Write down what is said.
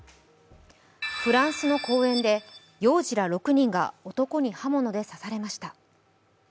フランスの公園で幼児ら６人が男に刃物で刺されました。